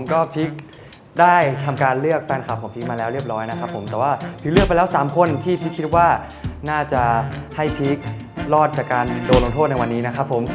ก็พีคได้ทำการเลือกแฟนคลับของพีคมาแล้วเรียบร้อยนะครับผมแต่ว่าพีคเลือกไปแล้ว๓คนที่พีคคิดว่าน่าจะให้พีครอดจากการโดนลงโทษในวันนี้นะครับผม